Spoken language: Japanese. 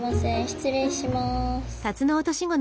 失礼します。